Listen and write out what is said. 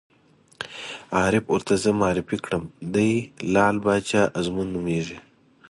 عارف ور ته زه معرفي کړم: دی لعل باچا ازمون نومېږي.